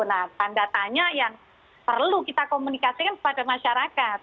nah tanda tanya yang perlu kita komunikasikan kepada masyarakat